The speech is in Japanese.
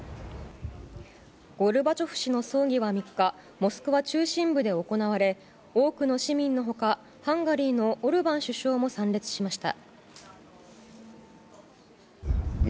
ゴルバチョフ氏の葬儀は３日、モスクワ中心部で行われ、多くの市民のほか、ハンガリーのオルバン首相も参列しました。